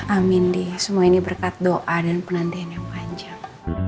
amin deh semua ini berkat doa dan penantian yang panjang